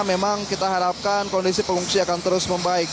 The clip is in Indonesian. memang kita harapkan kondisi pengungsi akan terus membaik